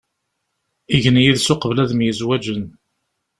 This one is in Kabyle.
Igen yid-s uqbel ad myezwaǧen.